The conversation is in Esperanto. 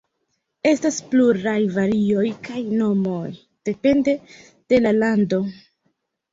Estas pluraj varioj kaj nomoj, depende de la lando.